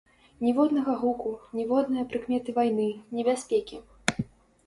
Ніводнага гуку, ніводнае прыкметы вайны, небяспекі.